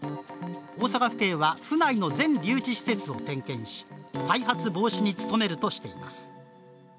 大阪府警は、府内の全留置施設を点検し再発防止に努めるとしています。